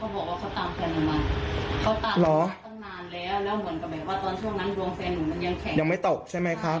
แล้วเหมือนกับแบบว่าตอนช่วงนั้นดวงแฟนหนูมันยังแข็งยังไม่ตกใช่ไหมครับ